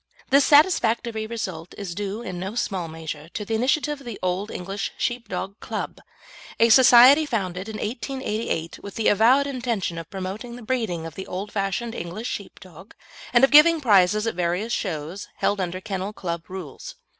This satisfactory result is due in no small measure to the initiative of the Old English Sheepdog Club, a society founded in 1888, with the avowed intention of promoting the breeding of the old fashioned English Sheepdog, and of giving prizes at various shows held under Kennel Club Rules.